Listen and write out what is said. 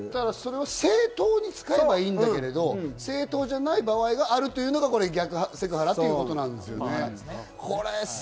正当に使えばいいんだけれど、正当じゃない場合があるというのが逆セクハラということですね。